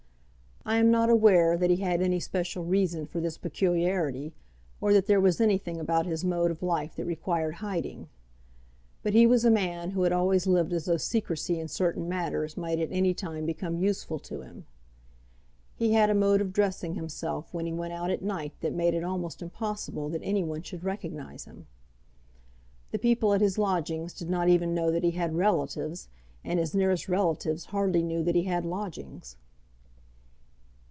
I am not aware that he had any special reason for this peculiarity, or that there was anything about his mode of life that required hiding; but he was a man who had always lived as though secrecy in certain matters might at any time become useful to him. He had a mode of dressing himself when he went out at night that made it almost impossible that any one should recognise him. The people at his lodgings did not even know that he had relatives, and his nearest relatives hardly knew that he had lodgings.